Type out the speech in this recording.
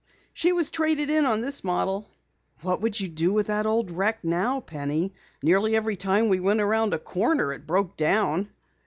She was traded in on this model." "What would you do with that old wreck now, Penny? Nearly every time we went around a corner it broke down."